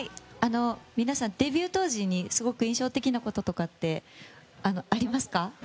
皆さん、デビュー当時にすごく印象的なこととかってありますか？